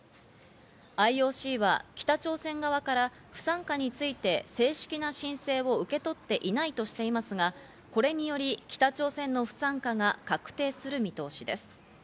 ＩＯＣは北朝鮮側から不参加について、正式な申請を受け取っていないとしていますが、これにより北朝鮮の不参加が確定する見通しです。